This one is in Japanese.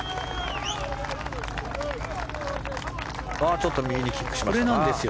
ちょっと右にキックしました。